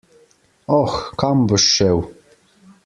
Oh, kam boš šel?